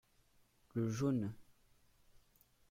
le jaune.